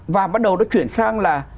và bắt đầu nó chuyển sang là